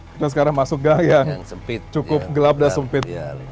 kita sekarang masuk gang yang sempit cukup gelap dan sempit